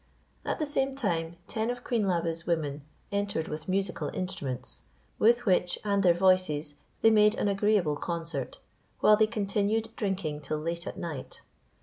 At the same time, ten of Queen Labe's women entered with musical instruments, with which and their voices they made an agreeable concert, while they continued drinking till late at night.